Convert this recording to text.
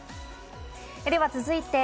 では続いて。